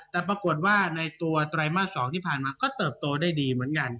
แต่ปรากฏว่าในตัวไตรมาส๒ที่ผ่านมาก็เติบโตได้ดีเหมือนกัน